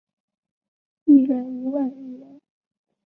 一人一万日元